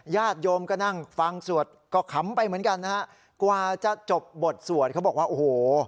ญาติโยมก็นั่งฟังสวดก็ขำไปเหมือนกันนะฮะกว่าจะจบบทสวดเขาบอกว่าโอ้โห